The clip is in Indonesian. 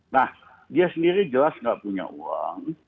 nah dia sendiri jelas nggak punya uang